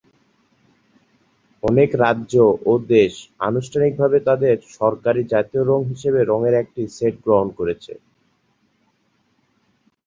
অনেক রাজ্য ও দেশ আনুষ্ঠানিকভাবে তাদের সরকারী "জাতীয় রঙ" হিসাবে রঙের একটি সেট গ্রহণ করেছে।